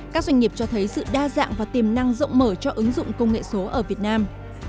các doanh nghiệp cho thấy sự đa dạng và tiềm năng rộng mở cho ứng dụng công nghệ số ở việt nam